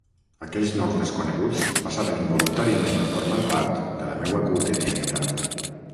Aquells nous desconeguts passaven involuntàriament a formar part de la meua quotidianitat.